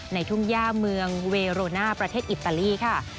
ทุ่งย่าเมืองเวโรนาประเทศอิตาลีค่ะ